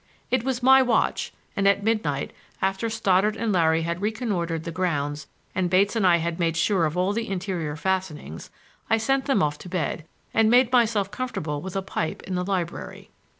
It was my watch, and at midnight, after Stoddard and Larry had reconnoitered the grounds and Bates and I had made sure of all the interior fastenings, I sent them off to bed and made myself comfortable with a pipe in the library.